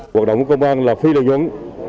hoạt động của công an là phi lợi nhuận